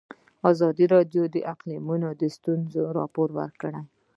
ازادي راډیو د اقلیتونه ستونزې راپور کړي.